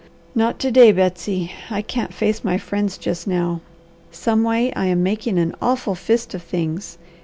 "Not to day Betsy! I can't face my friends just now. Someway I am making an awful fist of things.